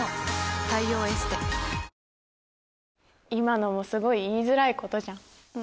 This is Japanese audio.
今のもすごい言いづらいことじゃん。